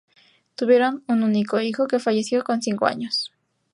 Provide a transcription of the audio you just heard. Tuvieron un único hijo que falleció con cinco años.